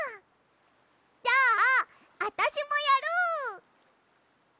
じゃああたしもやる！